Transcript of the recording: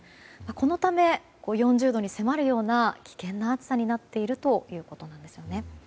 このため、４０度に迫るような危険な暑さになっているということなんですよね。